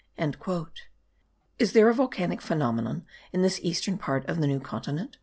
Is there a volcanic phenomenon in this eastern part of the New Continent?